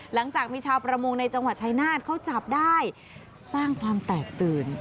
หลังจากมีชาวประมงในจังหวัดชายนาฏเขาจับได้สร้างความแตกตื่น